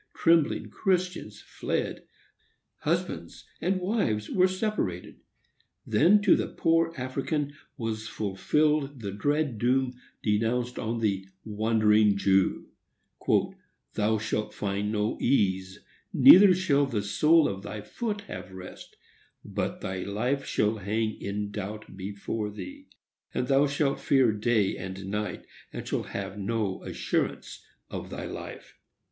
Trembling Christians fled. Husbands and wives were separated. Then to the poor African was fulfilled the dread doom denounced on the wandering Jew,—"Thou shalt find no ease, neither shall the sole of thy foot have rest; but thy life shall hang in doubt before thee, and thou shalt fear day and night, and shalt have no assurance of thy life."